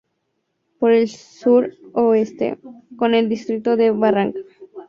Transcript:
Por el Sur- Oeste, con el Distrito de Barranca.